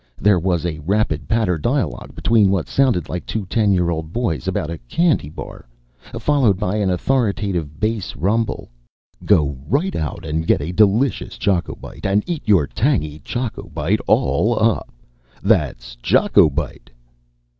There was a rapid patter dialogue between what sounded like two ten year old boys about a candy bar, followed by an authoritative bass rumble: "Go right out and get a DELICIOUS Choco Bite and eat your TANGY Choco Bite all up. That's Choco Bite!"